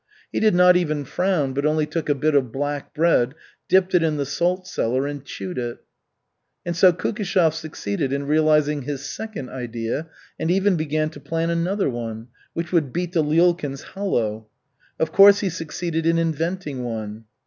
He did not even frown, but only took a bit of black bread, dipped it in the salt cellar, and chewed it. And so Kukishev succeeded in realizing his second "idea" and even began to plan another one, which would beat the Lyulkins hollow. Of course he succeeded in inventing one.